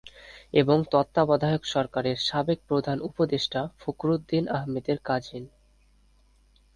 এবং তত্ত্বাবধায়ক সরকারের সাবেক প্রধান উপদেষ্টা ফখরুদ্দিন আহমেদের কাজিন।